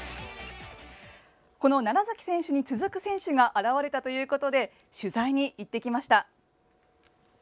この楢崎選手に続く選手が現れたということで取材に行ってきました。